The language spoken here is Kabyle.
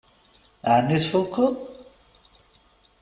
Ɛni tfukkeḍ?